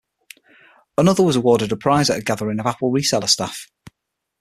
Another was awarded as a prize at a gathering of Apple reseller staff.